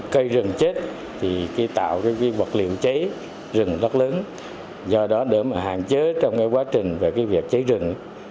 cây rừng chết tạo bật liệu cháy rừng rất lớn do đó để hạn chế trong quá trình cháy rừng